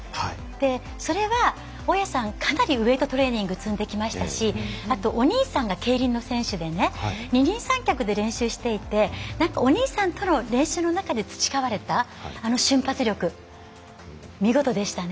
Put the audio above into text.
それは大矢さん、かなりウエイトトレーニングを積んできましたしお兄さんがケイリンの選手で二人三脚で練習していてお兄さんとの練習の中で培われたあの瞬発力見事でしたね。